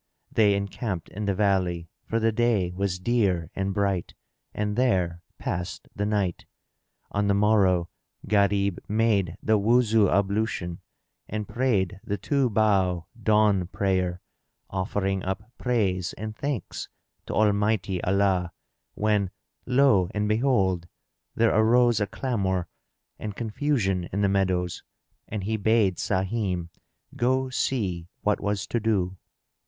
They encamped in the valley, for the day was clear and bright, and there passed the night. On the morrow, Gharib made the Wuzu ablution and prayed the two bow dawn prayer, offering up praise and thanks to Almighty Allah; when, lo and behold! there arose a clamour and confusion in the meadows, and he bade Sahim go see what was to do.